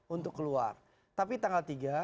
untuk keluar tapi tanggal tiga